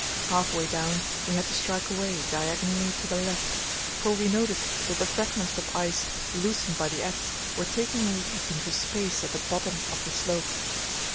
Halfway down we had to strike away diagonally to the left, for we noticed that the fragments of ice loosened by the adze were taking a leap into space at the bottom of the slope.